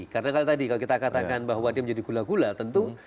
karena kalau tadi kalau kita katakan bahwa dia menjadi gula gula tentu